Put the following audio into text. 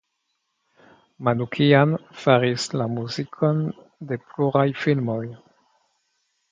Manoukian faris la muzikon de pluraj filmoj.